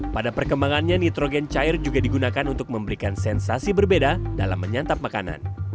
pada perkembangannya nitrogen cair juga digunakan untuk memberikan sensasi berbeda dalam menyantap makanan